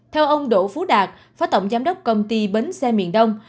theo ông đỗ phú đạt phó tổng giám đốc công ty bến xe miền đông